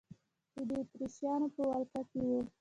چې د اتریشیانو په ولقه کې وه.